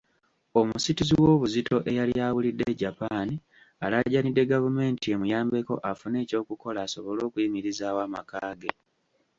Omusituzi w'obuzito eyali abulidde e Japan, alaajanidde gavumenti emuyambeko afune ekyokukola asobole okuyimirizaawo amaka ge.